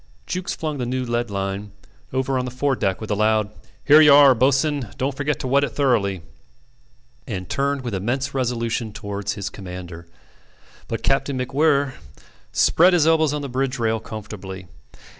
Jukes flung the new lead line over on the fore deck with a loud "Here you are, bo'ss'en don't forget to wet it thoroughly," and turned with immense resolution towards his commander; but Captain MacWhirr spread his elbows on the bridge rail comfortably.